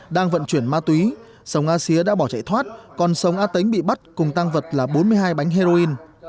đang vận chuyển ma túy sồng asia đã bỏ chạy thoát còn sồng a tấnh bị bắt cùng tăng vật là bốn mươi hai bánh heroin